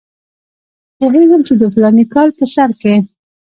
پوهېږم چې د فلاني کال په سر کې.